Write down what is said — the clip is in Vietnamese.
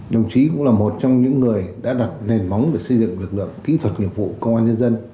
đồng chí cũng là một trong những người đã đặt nền móng để xây dựng lực lượng kỹ thuật nghiệp vụ công an nhân dân